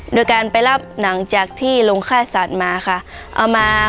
โดยการไปรับหนังจากที่ลงค่าสัตตร์มา